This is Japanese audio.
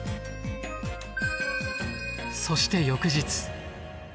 そして翌日。